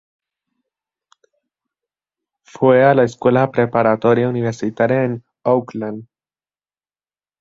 Fue a la Escuela Preparatoria Universitaria en Oakland.